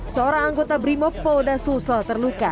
seorang anggota brimob polda sulsel terluka